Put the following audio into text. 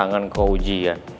kangen kau ujian